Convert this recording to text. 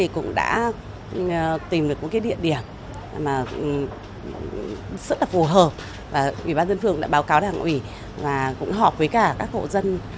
cũng đã tìm được một địa điểm rất phù hợp và ủy ban dân phường đã báo cáo đảng ủy và cũng họp với các hộ dân